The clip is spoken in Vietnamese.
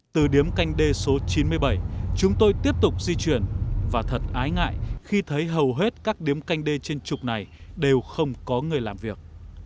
từ điếm canh đê số chín mươi bảy chúng tôi tiếp tục di chuyển và thật ái ngại khi thấy hầu hết các điếm canh đê trên trục này đều không có người làm việc